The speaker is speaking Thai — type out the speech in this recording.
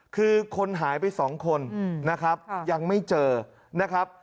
คือคนหายไปสองคนอืมนะครับค่ะยังไม่เจอนะครับ